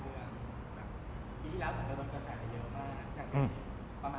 ปีที่แล้วมันจะโดนกระแสเยอะมาก